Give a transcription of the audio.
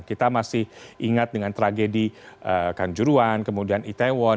kita masih ingat dengan tragedi kanjuruan kemudian itaewon